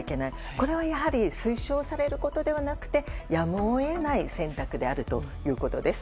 これはやはり推奨されることではなくてやむを得ない選択であるということです。